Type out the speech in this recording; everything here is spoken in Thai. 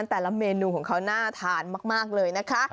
แต่ละเมนูของเขาน่าทานมากเลยนะคะ